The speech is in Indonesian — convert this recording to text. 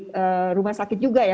di rumah sakit juga ya